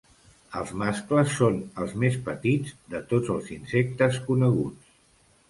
Els mascles són els més petits de tots els insectes coneguts.